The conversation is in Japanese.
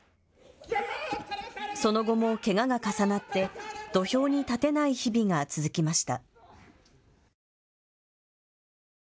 その後もけがが重なって土俵に立てない日々が続きました。